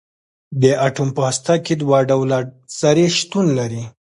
د اټوم په هسته کې دوه ډوله ذرې شتون لري.